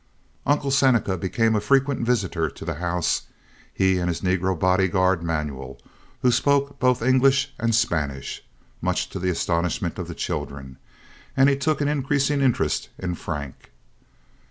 Uncle Seneca became a frequent visitor to the house—he and his negro body guard, Manuel, who spoke both English and Spanish, much to the astonishment of the children; and he took an increasing interest in Frank.